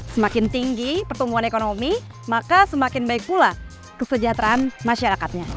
semakin tinggi pertumbuhan ekonomi maka semakin baik pula kesejahteraan masyarakatnya